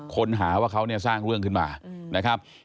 ค้นหาว่าเขาเนี่ยสร้างเรื่องขึ้นมานะครับ